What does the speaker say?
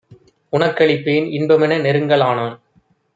உனக்களிப்பேன் இன்பமென நெருங்க லானான்!